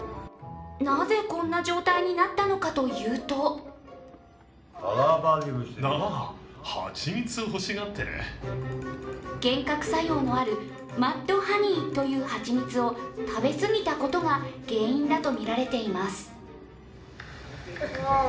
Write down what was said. なぜ、こんな状態になったのかというと幻覚作用のあるマッドハニーという蜂蜜を食べ過ぎたことが原因だとみられています。